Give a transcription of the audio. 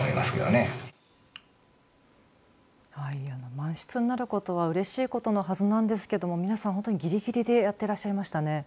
満室になることはうれしいことのはずなんですけど皆さん本当にぎりぎりでやってらっしゃいましたね。